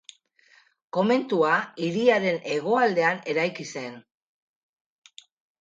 Komentua hiriaren hegoaldean eraiki zen.